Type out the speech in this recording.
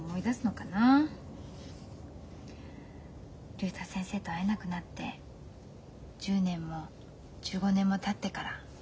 竜太先生と会えなくなって１０年も１５年もたってからポッと。